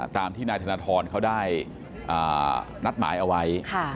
ตามที่นายธนทรเขาได้นัดหมายเอาไว้